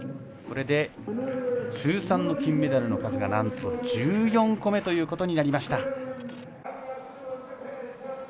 これで、通算の金メダルの数がなんと１４個目ということになりました。